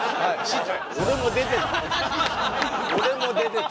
俺も出てた。